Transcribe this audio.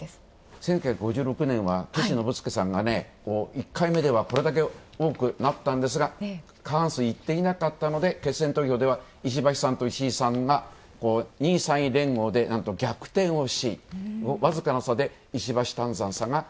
１９５６年は岸信介さんが１回目ではこれだけ多くなったんですが、過半数いってなかったので決選投票では石橋さんが２位３位連合でなんと逆転押し。